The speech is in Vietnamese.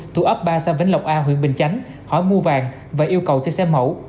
tù ấp ba san vĩnh lộc a huyện bình chánh hỏi mua vàng và yêu cầu theo xe mẫu